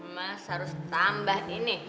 mas harus tambah ini